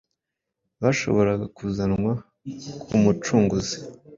bashoboraga kuzanwa ku Mucunguzi.